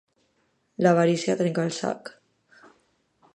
L'avarícia trenca el sac.